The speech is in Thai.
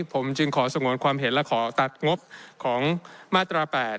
ผมจึงขอสงวนความเห็นและขอตัดงบของมาตรา๘